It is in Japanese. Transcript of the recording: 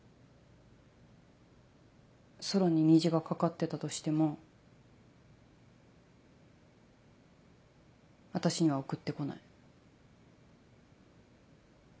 空に虹が架かってたとしても私には送ってこない。